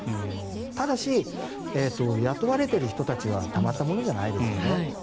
ただし、雇われている人たちはたまったもんじゃないですよね。